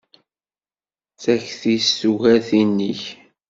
Takti-s tugar tin-ik.